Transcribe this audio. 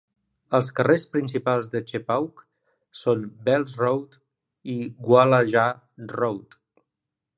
Els carrers principals de Chepauk són Bells Road i Walajah Road.